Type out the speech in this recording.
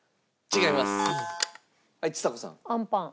違います。